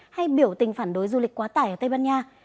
hay biểu tình phản đối du lịch quá tải ở tây ban nha